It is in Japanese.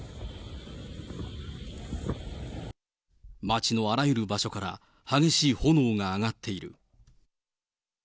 街のあらゆる場所から激しい炎が上がっている。